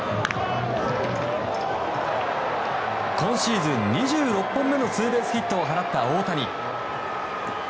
今シーズン２６本目のツーベースヒットを放った大谷。